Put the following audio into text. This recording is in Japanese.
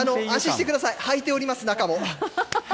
安心してください、はいております、中も。